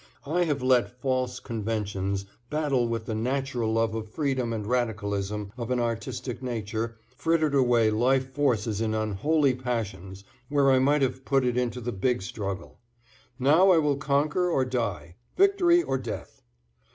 I have let false conventions battle with the natural love of freedom and radicalism of an artistic nature, frittered away life forces in unholy passions where I might have put it into the big struggle. Now I will conquer or die, victory or death.